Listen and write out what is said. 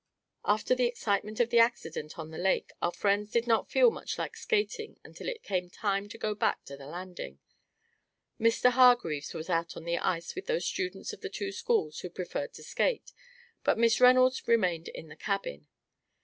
After the excitement of the accident on the lake our friends did not feel much like skating until it came time to go back to the landing. Mr. Hargreaves was out on the ice with those students of the two schools who preferred to skate; but Miss Reynolds remained in the cabin.